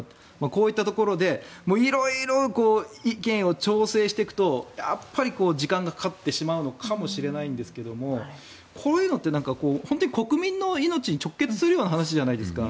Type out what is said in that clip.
こういったところで色々、意見を調整していくとやっぱり時間がかかってしまうのかもしれないんですけどこういうのって国民の命に直結するような話じゃないですか。